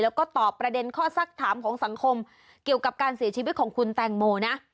แล้วก็ตอบประเด็นข้อสักถามของสังคมเกี่ยวกับการเสียชีวิตของคุณแตงโมนะ